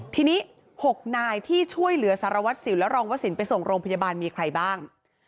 ทีนี้๖นายที่ช่วยเหลือสารวัตรสิวและรองวสินไปส่งโรงพยาบาลมีใครบ้าง